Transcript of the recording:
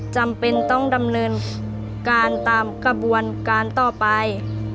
จำเป็นต้องดำเนินการตามกระบวนการต่อไป